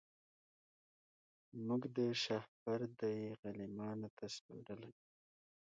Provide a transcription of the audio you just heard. موږ شهپر دی غلیمانو ته سپارلی